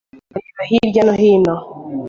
areba hirya no hino.